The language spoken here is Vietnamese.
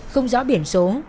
không rõ biển số